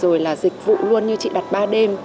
rồi là dịch vụ luôn như chị đặt ba đêm